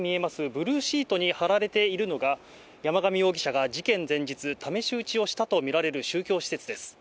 ブルーシートに張られているのが、山上容疑者が事件前日、試し撃ちをしたと見られる宗教施設です。